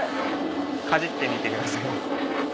かじってみてください。